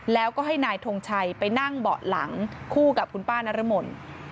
แล้วก็ให้นายทงชัยไปนั่งเบาะหลังคู่กับคุณป้านรมน